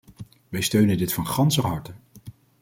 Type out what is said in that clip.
Wij steunen dit van ganser harte.